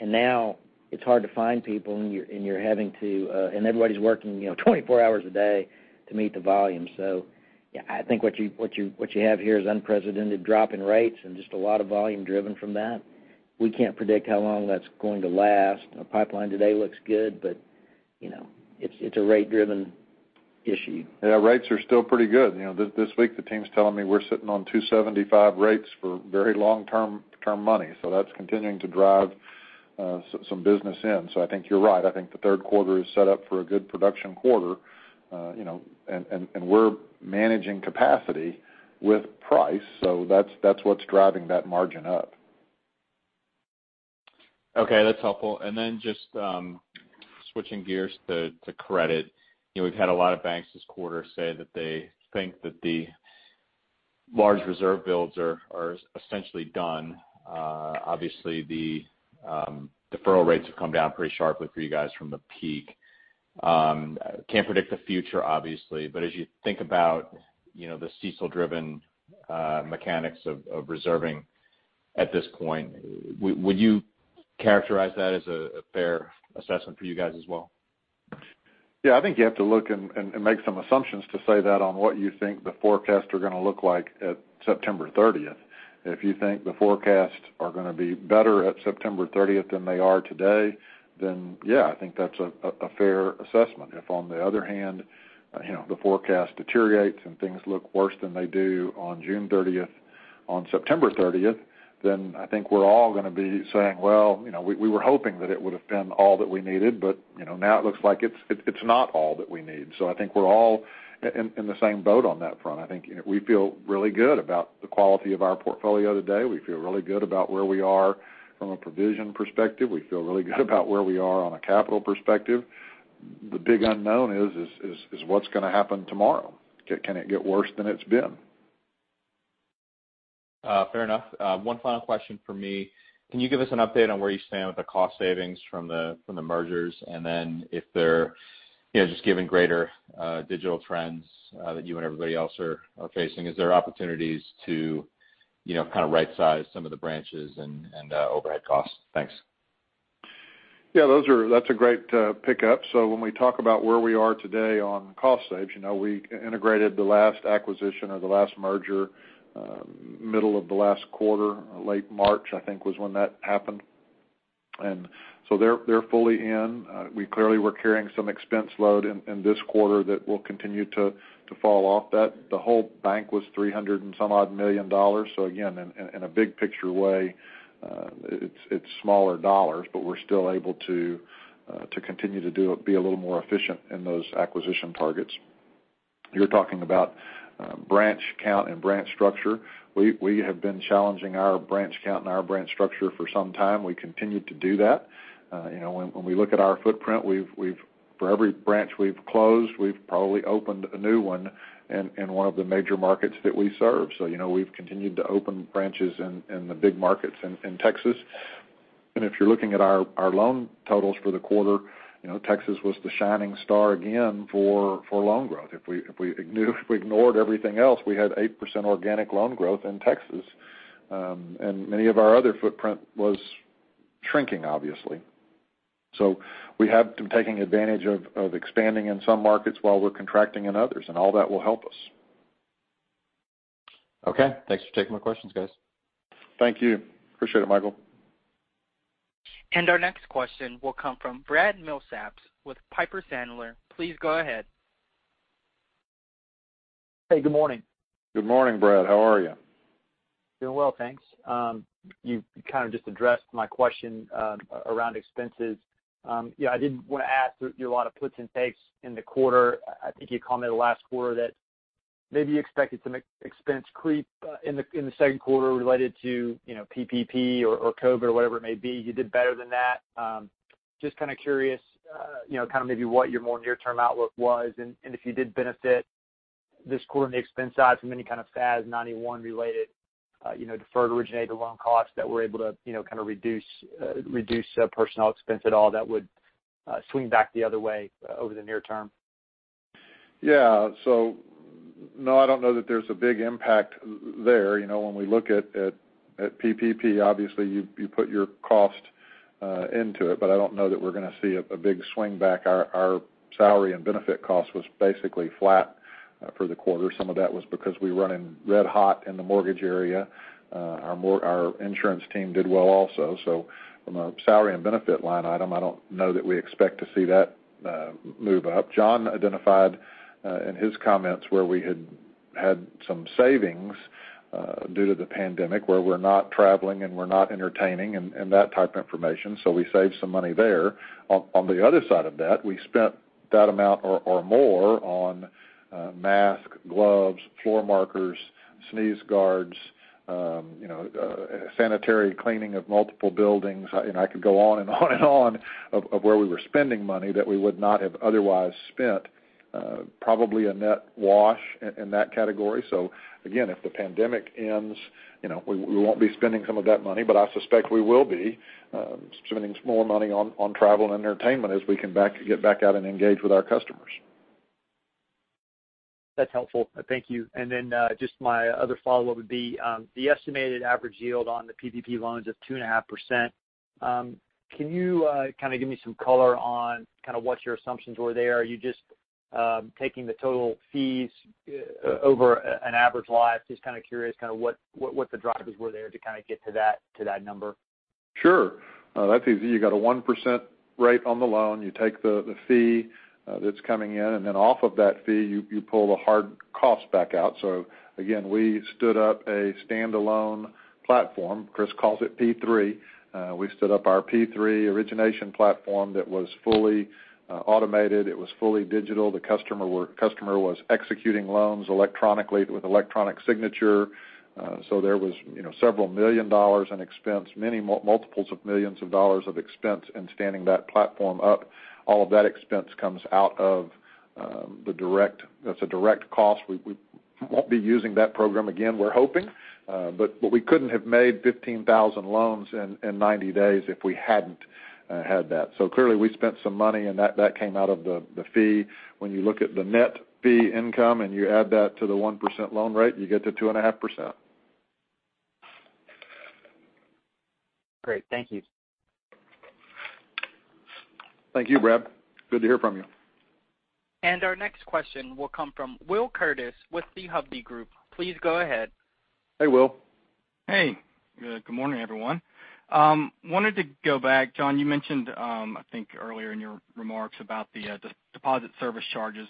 Now it's hard to find people and everybody's working 24 hours a day to meet the volume. Yeah, I think what you have here is unprecedented drop in rates and just a lot of volume driven from that. We can't predict how long that's going to last. Our pipeline today looks good, but it's a rate-driven issue. Yeah, rates are still pretty good. This week, the team's telling me we're sitting on 275 rates for very long-term money. That's continuing to drive some business in. I think you're right. I think the third quarter is set up for a good production quarter. We're managing capacity with price. That's what's driving that margin up. Okay, that's helpful. Just switching gears to credit. We've had a lot of banks this quarter say that they think that the large reserve builds are essentially done. Obviously, the deferral rates have come down pretty sharply for you guys from the peak. Can't predict the future, obviously, but as you think about the CECL-driven mechanics of reserving at this point, would you characterize that as a fair assessment for you guys as well? I think you have to look and make some assumptions to say that on what you think the forecasts are going to look like at September 30th. If you think the forecasts are going to be better at September 30th than they are today, yeah, I think that's a fair assessment. If on the other hand, the forecast deteriorates and things look worse than they do on June 30th on September 30th, I think we're all going to be saying, "Well, we were hoping that it would've been all that we needed, but now it looks like it's not all that we need." I think we're all in the same boat on that front. I think we feel really good about the quality of our portfolio today. We feel really good about where we are from a provision perspective. We feel really good about where we are on a capital perspective. The big unknown is what's going to happen tomorrow. Can it get worse than it's been? Fair enough. One final question from me. Can you give us an update on where you stand with the cost savings from the mergers? If they're just given greater digital trends that you and everybody else are facing, is there opportunities to right-size some of the branches and overhead costs? Thanks. Yeah, that's a great pickup. When we talk about where we are today on cost saves, we integrated the last acquisition or the last merger, middle of the last quarter, late March, I think was when that happened. They're fully in. We clearly were carrying some expense load in this quarter that will continue to fall off that. The whole bank was $300 and some odd million. Again, in a big picture way, it's smaller dollars, but we're still able to continue to be a little more efficient in those acquisition targets. You're talking about branch count and branch structure. We have been challenging our branch count and our branch structure for some time. We continue to do that. When we look at our footprint, for every branch we've closed, we've probably opened a new one in one of the major markets that we serve. We've continued to open branches in the big markets in Texas. If you're looking at our loan totals for the quarter, Texas was the shining star again for loan growth. If we ignored everything else, we had 8% organic loan growth in Texas. Many of our other footprint was shrinking, obviously. We have been taking advantage of expanding in some markets while we're contracting in others, and all that will help us. Okay. Thanks for taking my questions, guys. Thank you. Appreciate it, Michael. Our next question will come from Brad Milsaps with Piper Sandler. Please go ahead. Hey, good morning. Good morning, Brad. How are you? Doing well, thanks. You kind of just addressed my question around expenses. I did want to ask, there were a lot of puts and takes in the quarter. I think you commented last quarter that maybe you expected some expense creep in the second quarter related to PPP or COVID or whatever it may be. You did better than that. Just kind of curious, maybe what your more near-term outlook was and if you did benefit this quarter on the expense side from any kind of FAS 91 related deferred originated loan costs that were able to kind of reduce personnel expense at all that would swing back the other way over the near term. Yeah. No, I don't know that there's a big impact there. When we look at PPP, obviously you put your cost into it, but I don't know that we're going to see a big swing back. Our salary and benefit cost was basically flat for the quarter. Some of that was because we were running red hot in the mortgage area. Our insurance team did well also. From a salary and benefit line item, I don't know that we expect to see that move up. John identified in his comments where we had had some savings due to the pandemic where we're not traveling and we're not entertaining and that type of information, so we saved some money there. On the other side of that, we spent that amount or more on masks, gloves, floor markers, sneeze guards, sanitary cleaning of multiple buildings. I could go on and on and on of where we were spending money that we would not have otherwise spent. Probably a net wash in that category. Again, if the pandemic ends, we won't be spending some of that money, but I suspect we will be spending some more money on travel and entertainment as we can get back out and engage with our customers. That's helpful. Thank you. Then just my other follow-up would be, the estimated average yield on the PPP loans of 2.5%, can you give me some color on what your assumptions were there? Are you just taking the total fees over an average life? Just kind of curious what the drivers were there to get to that number. Sure. That's easy. You got a 1% rate on the loan. You take the fee that's coming in, and then off of that fee, you pull the hard cost back out. Again, we stood up a standalone platform. Chris calls it P3. We stood up our P3 origination platform that was fully automated. It was fully digital. The customer was executing loans electronically with electronic signature. There was several million dollars in expense, many multiples of millions of dollars of expense in standing that platform up. All of that expense comes out of the direct. That's a direct cost. We won't be using that program again, we're hoping. We couldn't have made 15,000 loans in 90 days if we hadn't had that. Clearly, we spent some money, and that came out of the fee. When you look at the net fee income and you add that to the 1% loan rate, you get to 2.5%. Great. Thank you. Thank you, Brad. Good to hear from you. Our next question will come from Will Curtis with The Hubby Group. Please go ahead. Hey, Will. Hey, good morning, everyone. Wanted to go back, John, you mentioned, I think earlier in your remarks about the deposit service charges.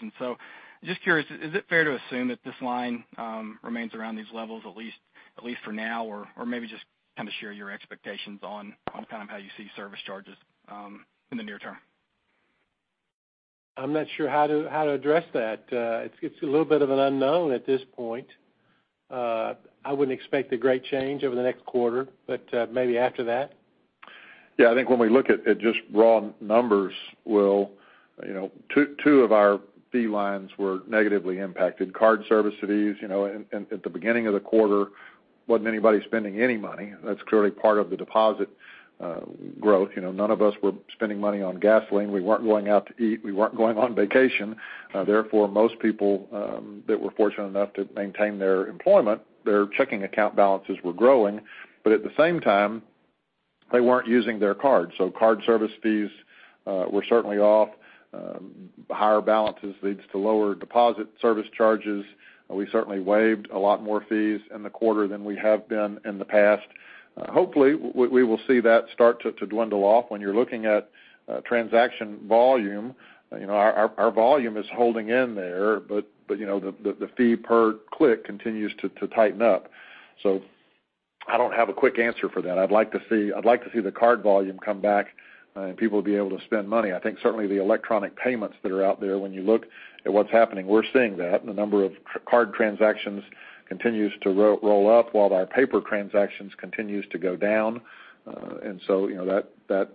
Just curious, is it fair to assume that this line remains around these levels at least for now? Or maybe just share your expectations on how you see service charges in the near term. I'm not sure how to address that. It's a little bit of an unknown at this point. I wouldn't expect a great change over the next quarter, but maybe after that. Yeah, I think when we look at just raw numbers, Will, two of our fee lines were negatively impacted. Card service fees, at the beginning of the quarter, wasn't anybody spending any money. That's clearly part of the deposit growth. None of us were spending money on gasoline. We weren't going out to eat. We weren't going on vacation. Therefore, most people that were fortunate enough to maintain their employment, their checking account balances were growing. At the same time, they weren't using their cards. Card service fees were certainly off. Higher balances leads to lower deposit service charges. We certainly waived a lot more fees in the quarter than we have been in the past. Hopefully, we will see that start to dwindle off. When you're looking at transaction volume, our volume is holding in there, but the fee per click continues to tighten up. I don't have a quick answer for that. I'd like to see the card volume come back and people be able to spend money. I think certainly the electronic payments that are out there, when you look at what's happening, we're seeing that. The number of card transactions continues to roll up while our paper transactions continues to go down. That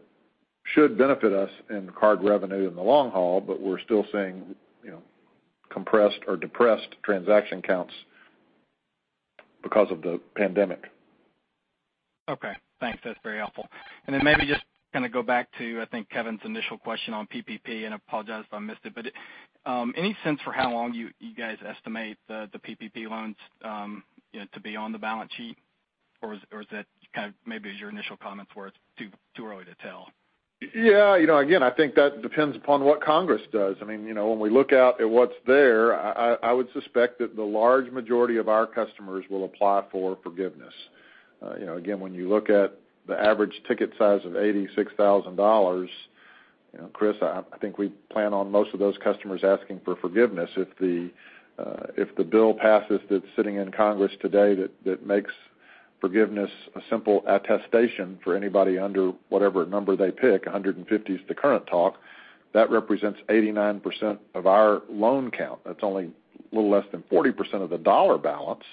should benefit us in card revenue in the long haul, but we're still seeing compressed or depressed transaction counts because of the pandemic. Okay, thanks. That's very helpful. Then maybe just go back to, I think, Kevin's initial question on PPP, and apologize if I missed it, but any sense for how long you guys estimate the PPP loans to be on the balance sheet? Or is that maybe as your initial comments were, it's too early to tell? Yeah. I think that depends upon what Congress does. When we look out at what's there, I would suspect that the large majority of our customers will apply for forgiveness. When you look at the average ticket size of $86,000, Chris, I think we plan on most of those customers asking for forgiveness if the bill passes that's sitting in Congress today that makes forgiveness a simple attestation for anybody under whatever number they pick, 150 is the current talk. That represents 89% of our loan count. That's only a little less than 40% of the dollar balance,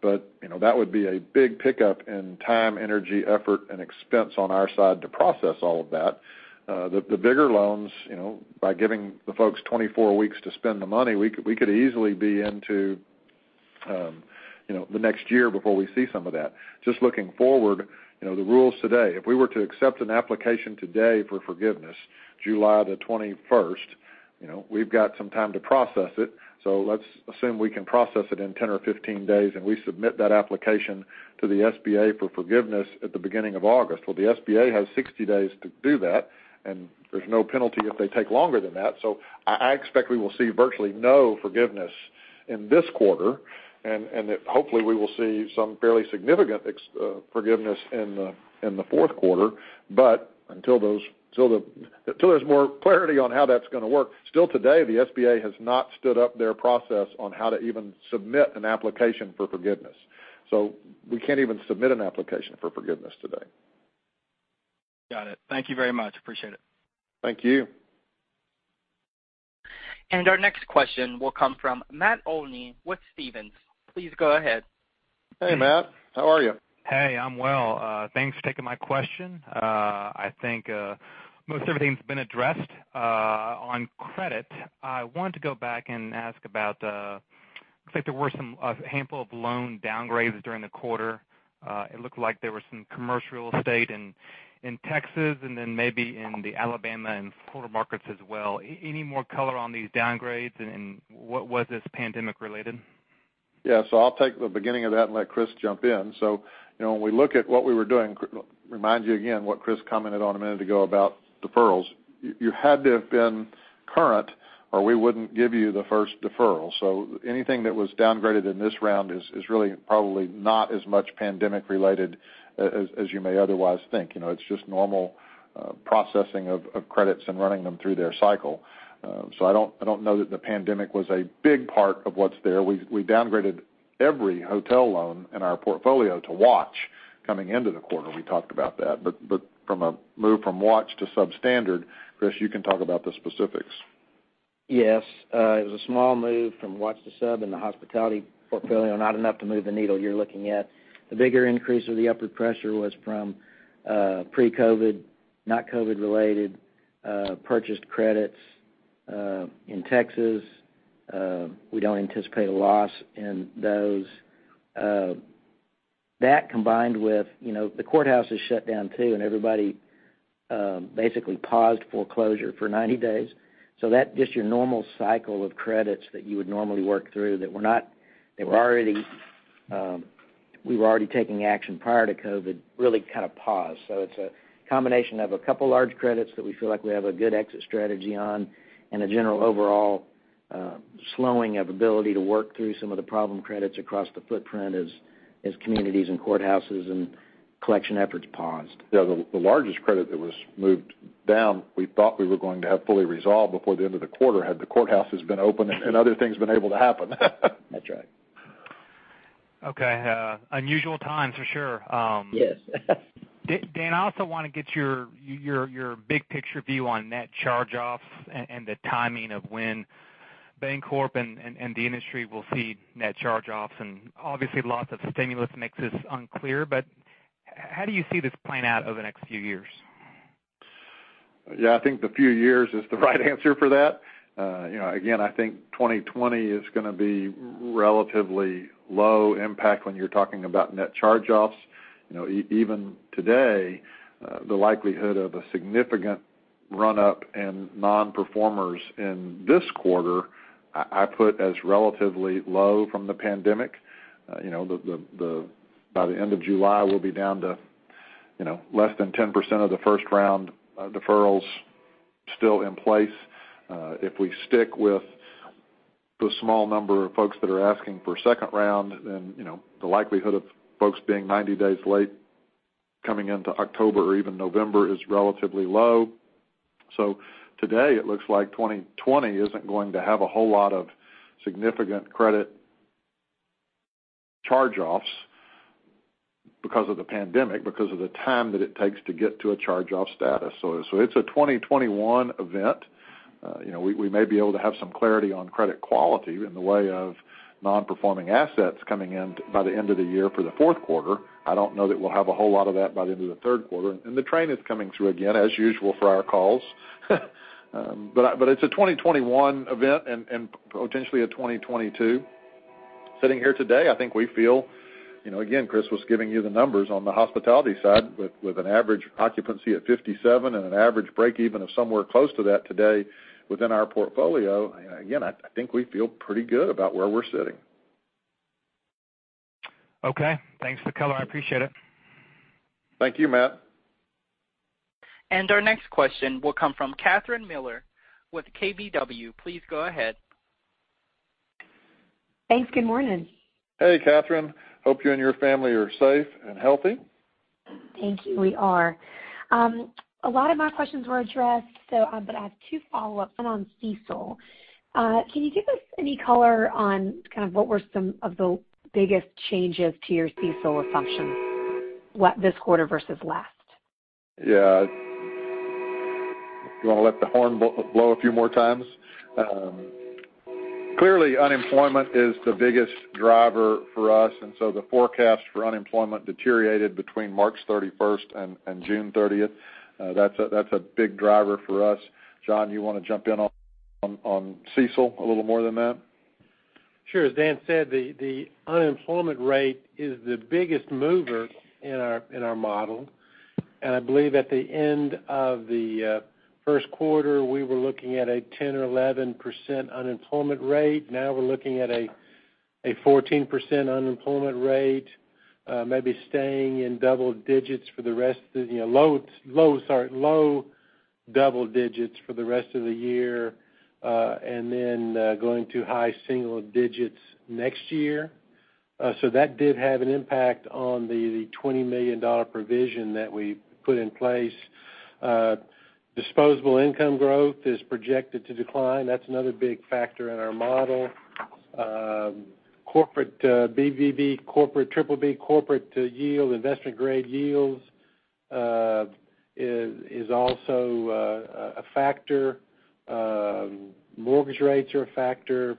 but that would be a big pickup in time, energy, effort, and expense on our side to process all of that. The bigger loans, by giving the folks 24 weeks to spend the money, we could easily be into the next year before we see some of that. Just looking forward, the rules today, if we were to accept an application today for forgiveness, July the 21st, we've got some time to process it. Let's assume we can process it in 10 or 15 days, and we submit that application to the SBA for forgiveness at the beginning of August. Well, the SBA has 60 days to do that, and there's no penalty if they take longer than that. I expect we will see virtually no forgiveness in this quarter, and that hopefully we will see some fairly significant forgiveness in the fourth quarter. Until there's more clarity on how that's going to work, still today, the SBA has not stood up their process on how to even submit an application for forgiveness. We can't even submit an application for forgiveness today. Got it. Thank you very much. Appreciate it. Thank you. Our next question will come from Matt Olney with Stephens. Please go ahead. Hey, Matt. How are you? Hey, I'm well. Thanks for taking my question. I think most everything's been addressed. On credit, I wanted to go back and ask about, looks like there were a handful of loan downgrades during the quarter. It looked like there were some commercial estate in Texas and then maybe in the Alabama and Florida markets as well. Was this pandemic related? Yes. I'll take the beginning of that and let Chris jump in. When we look at what we were doing, remind you again what Chris commented on a minute ago about deferrals. You had to have been current or we wouldn't give you the first deferral. Anything that was downgraded in this round is really probably not as much pandemic related as you may otherwise think. It's just normal processing of credits and running them through their cycle. I don't know that the pandemic was a big part of what's there. We downgraded every hotel loan in our portfolio to watch coming into the quarter. We talked about that. From a move from watch to substandard, Chris, you can talk about the specifics. Yes. It was a small move from watch to sub in the hospitality portfolio, not enough to move the needle you're looking at. The bigger increase or the upward pressure was from pre-COVID, not COVID related, purchased credits in Texas. We don't anticipate a loss in those. That combined with the courthouse is shut down too, and everybody basically paused foreclosure for 90 days. That just your normal cycle of credits that you would normally work through that we were already taking action prior to COVID really kind of paused. It's a combination of a couple large credits that we feel like we have a good exit strategy on, and a general overall slowing of ability to work through some of the problem credits across the footprint as communities and courthouses and collection efforts paused. Yeah, the largest credit that was moved down, we thought we were going to have fully resolved before the end of the quarter had the courthouses been open and other things been able to happen. That's right. Okay. Unusual time for sure. Yes. Dan, I also want to get your big picture view on net charge-offs and the timing of when Bancorp and the industry will see net charge-offs. Obviously lots of stimulus makes this unclear, but how do you see this playing out over the next few years? Yeah, I think the few years is the right answer for that. I think 2020 is going to be relatively low impact when you're talking about net charge-offs. Even today, the likelihood of a significant run-up in non-performers in this quarter, I put as relatively low from the pandemic. By the end of July, we'll be down to less than 10% of the first-round deferrals still in place. If we stick with the small number of folks that are asking for a second round, the likelihood of folks being 90 days late coming into October or even November is relatively low. Today it looks like 2020 isn't going to have a whole lot of significant credit charge-offs because of the pandemic, because of the time that it takes to get to a charge-off status. It's a 2021 event. We may be able to have some clarity on credit quality in the way of non-performing assets coming in by the end of the year for the fourth quarter. I don't know that we'll have a whole lot of that by the end of the third quarter. The train is coming through again, as usual for our calls. It's a 2021 event and potentially a 2022. Sitting here today, I think we feel, again, Chris was giving you the numbers on the hospitality side with an average occupancy at 57 and an average break-even of somewhere close to that today within our portfolio. Again, I think we feel pretty good about where we're sitting. Okay. Thanks for the color. I appreciate it. Thank you, Matt. Our next question will come from Katherine Miller with KBW. Please go ahead. Thanks. Good morning. Hey, Katherine. Hope you and your family are safe and healthy. Thank you. We are. A lot of my questions were addressed, but I have two follow-ups, one on CECL. Can you give us any color on kind of what were some of the biggest changes to your CECL assumptions this quarter versus last? Yeah. You want to let the horn blow a few more times? Clearly, unemployment is the biggest driver for us. The forecast for unemployment deteriorated between March 31st and June 30th. That's a big driver for us. John, you want to jump in on CECL a little more than that? Sure. As Dan said, the unemployment rate is the biggest mover in our model. I believe at the end of the first quarter, we were looking at a 10% or 11% unemployment rate. Now we're looking at a 14% unemployment rate, maybe staying in double digits for the rest of, sorry, low double digits for the rest of the year, and then going to high single digits next year. That did have an impact on the $20 million provision that we put in place. Disposable income growth is projected to decline. That's another big factor in our model. BBB corporate, triple B corporate yield, investment-grade yields is also a factor. Mortgage rates are a factor.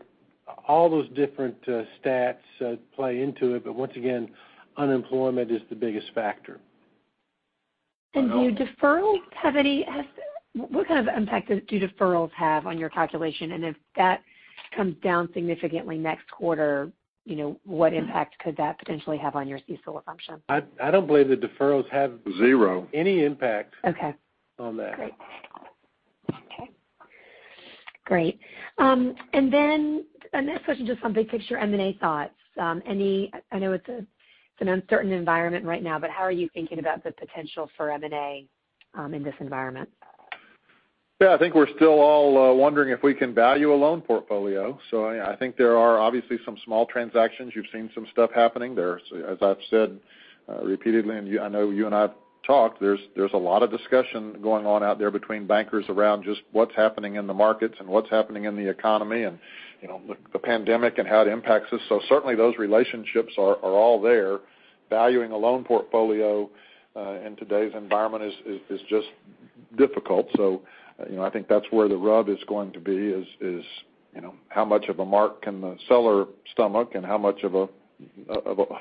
All those different stats play into it, but once again, unemployment is the biggest factor. What kind of impact do deferrals have on your calculation? If that comes down significantly next quarter, what impact could that potentially have on your CECL assumption? I don't believe the deferrals have. Zero any impact- Okay on that. Great. The next question, just on big picture M&A thoughts. I know it's an uncertain environment right now, but how are you thinking about the potential for M&A in this environment? Yeah, I think we're still all wondering if we can value a loan portfolio. I think there are obviously some small transactions. You've seen some stuff happening. As I've said repeatedly, and I know you and I have talked, there's a lot of discussion going on out there between bankers around just what's happening in the markets and what's happening in the economy, and the pandemic and how it impacts us. Certainly, those relationships are all there. Valuing a loan portfolio in today's environment is just difficult. I think that's where the rub is going to be is, how much of a mark can the seller stomach and how much of a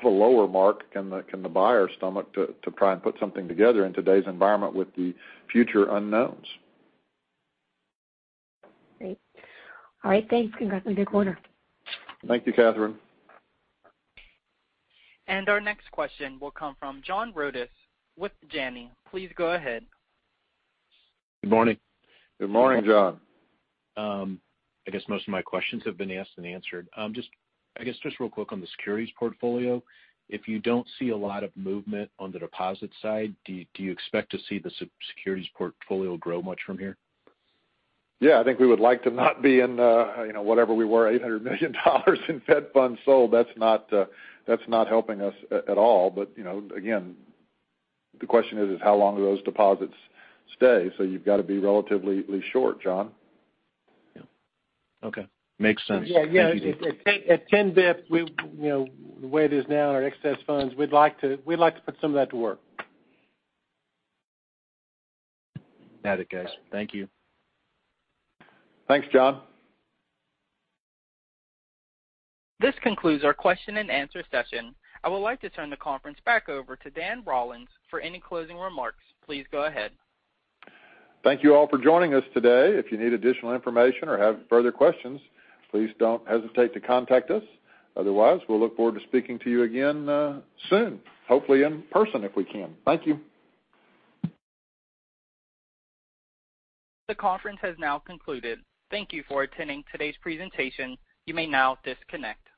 lower mark can the buyer stomach to try and put something together in today's environment with the future unknowns? Great. All right, thanks. Congrats on a good quarter. Thank you, Katherine. Our next question will come from John Rodis with Janney. Please go ahead. Good morning. Good morning, John. I guess most of my questions have been asked and answered. I guess just real quick on the securities portfolio, if you don't see a lot of movement on the deposit side, do you expect to see the securities portfolio grow much from here? Yeah, I think we would like to not be in whatever we were, $800 million in Fed funds sold. That's not helping us at all. Again, the question is how long do those deposits stay? You've got to be relatively short, John. Yeah. Okay. Makes sense. Thank you. Yeah. At 10 basis points, the way it is now in our excess funds, we'd like to put some of that to work. Got it, guys. Thank you. Thanks, John. This concludes our question and answer session. I would like to turn the conference back over to Dan Rollins for any closing remarks. Please go ahead. Thank you all for joining us today. If you need additional information or have further questions, please don't hesitate to contact us. Otherwise, we'll look forward to speaking to you again soon, hopefully in person if we can. Thank you. The conference has now concluded. Thank you for attending today's presentation. You may now disconnect.